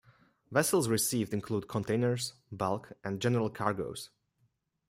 Vessels received include containers, bulk, and general cargoes.